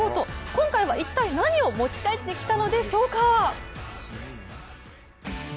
今回は一体、何を持ち帰ってきたのでしょうか。